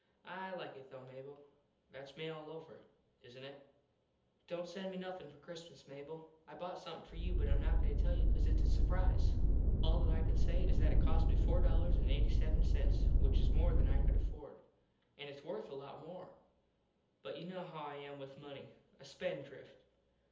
I like it though, Mable. Thats me all over. Isnt it? Dont send me nothin for Christmas, Mable. I bought somethin for you but Im not going to tell you cause its a surprize. All that I can say is that it cost me four eighty seven ($4.87) which is more than I could afford. An its worth a lot more. But you know how I am with money. A spend drift.